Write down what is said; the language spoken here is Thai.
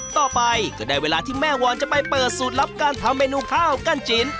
ต่อไปก็ได้เวลาที่แม่วอนจะไปเปิดสูตรลับการทำเมนูข้าวกั้นจิ้น